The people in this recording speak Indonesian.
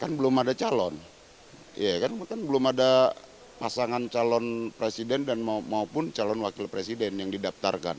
kan belum ada calon ya kan belum ada pasangan calon presiden dan maupun calon wakil presiden yang didaftarkan